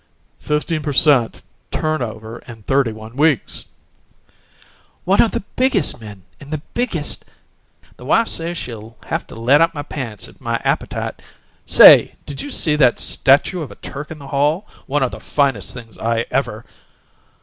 "Fifteen per cent. turnover in thirty one weeks."... "One of the biggest men in the biggest "... "The wife says she'll have to let out my pants if my appetite "... "Say, did you see that statue of a Turk in the hall? One of the finest things I ever